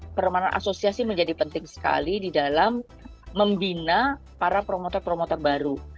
di sini peranan asosiasi menjadi penting sekali di dalam membina para promotor promotor baru